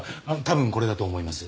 多分これだと思います。